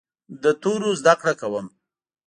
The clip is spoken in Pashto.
د تورو زده کړه کوم.